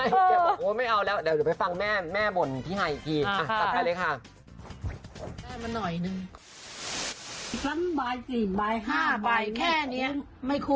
ไม่เดี๋ยวบอกว่าไม่เอาแล้วเดี๋ยวดูไปฟังแม่บนพี่ไห้อีกกี่